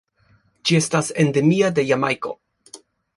Ĝi estas endemia de Jamajko.